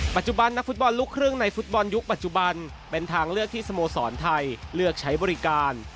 ปัจจุบันนักฟุตบอลลูกครึ่งในฟุตบอลยุคปัจจุบันเป็นทางเลือกที่สโมสรไทยเลือกใช้บริการ